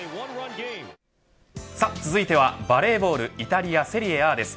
続いてはバレーボールイタリア、セリエＡです。